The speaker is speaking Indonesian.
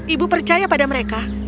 ibu percaya pada mereka